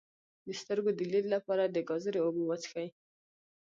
د سترګو د لید لپاره د ګازرې اوبه وڅښئ